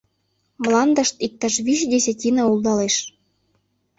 Мландышт иктаж вич десятина улдалеш.